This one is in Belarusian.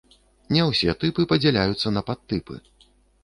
Не ўсе тыпы падзяляюцца на падтыпы.